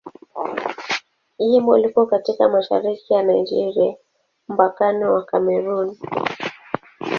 Jimbo liko katika mashariki ya Nigeria, mpakani wa Kamerun.